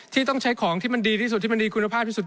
ที่ต้องใช้ของที่มันดีที่สุดที่มันดีคุณภาพที่สุด